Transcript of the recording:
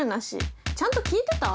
ちゃんと聞いてた？